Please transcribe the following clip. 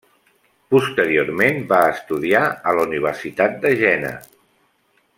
Posteriorment va estudiar a la universitat de Jena.